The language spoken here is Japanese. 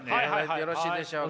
よろしいでしょうか？